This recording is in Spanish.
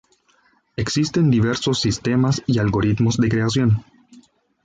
Existen diversos sistemas y algoritmos de creación.